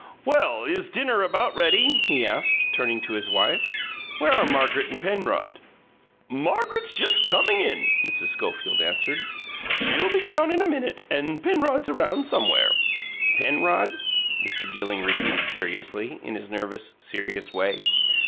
"Well, is dinner about ready?" he asked, turning to his wife. "Where are Margaret and Penrod?" "Margaret's just come in," Mrs. Schofield answered. "She'll be down in a minute, and Penrod's around somewhere." "Penrod?" Mr. Gilling repeated curiously, in his nervous, serious way.